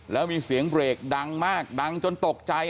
แล้วมีเสียงเบรกดังมากดังจนตกใจ